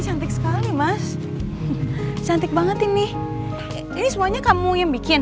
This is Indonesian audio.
cantik sekali mas cantik banget ini ini semuanya kamu yang bikin